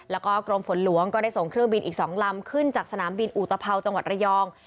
แล้วก็กรมฝนหลวงก็ได้ส่งเครื่องบินอีก๒ลำขึ้นจากสนามบินอุตภัวจังหวัดระยอง